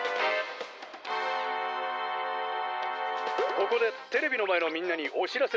「ここでテレビのまえのみんなにおしらせだ！